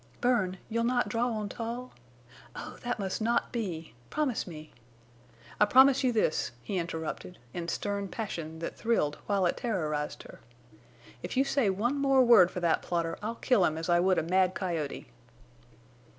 "Bern—you'll not draw on Tull? Oh, that must not be! Promise me—" "I promise you this," he interrupted, in stern passion that thrilled while it terrorized her. "If you say one more word for that plotter I'll kill him as I would a mad coyote!"